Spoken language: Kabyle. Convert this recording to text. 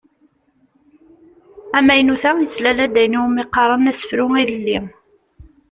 Amaynut-a yeslal-d ayen i wumi qqaren asefru ilelli.